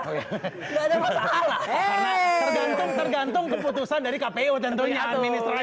karena tergantung tergantung keputusan dari kpu tentunya administrasi